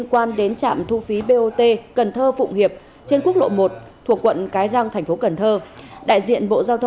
người để không có để hết